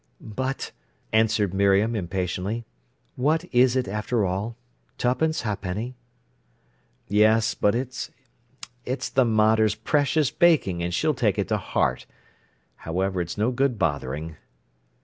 "But," answered Miriam impatiently, "what is it, after all—twopence, ha'penny." "Yes, but—it's the mater's precious baking, and she'll take it to heart. However, it's no good bothering."